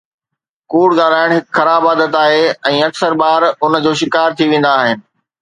ڪوڙ ڳالهائڻ هڪ خراب عادت آهي ۽ اڪثر ٻار ان جو شڪار ٿي ويندا آهن